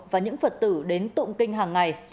và những phật tử đến tụng kinh hàng ngày